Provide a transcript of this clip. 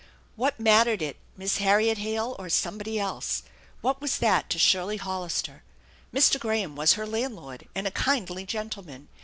What mattered it, Miss Harriet Hale or somebody else ? What was that to Shirley Hollister? Mr. Graham was her landlord and a kindly gentleman.